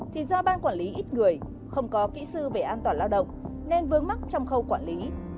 thì do ban quản lý ít người không có kỹ sư về an toàn lao động nên vướng mắc trong khâu quản lý